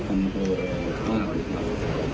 คำโทษมากนะครับ